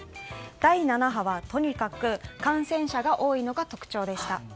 第７波はとにかく感染者が多いのが特徴でした。